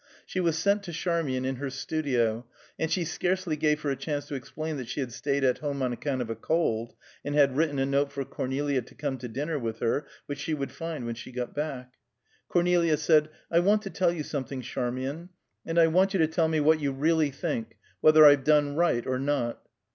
She was sent to Charmian in her studio, and she scarcely gave her a chance to explain that she had staid at home on account of a cold, and had written a note for Cornelia to come to dinner with her, which she would find when she got back. Cornelia said, "I want to tell you something, Charmian, and I want you to tell me what you really think whether I've done right, or not."